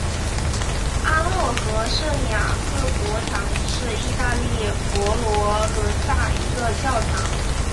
阿诺河圣雅各伯堂是意大利佛罗伦萨一个教堂。